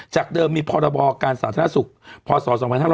จากเดิมมีพอรณบอการสาธารณสุขพศ๒๕๓๕